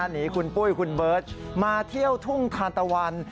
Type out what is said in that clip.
หนีคุณปุ้ยคุณเบิร์ตมาเที่ยวทุ่งทานตะวัน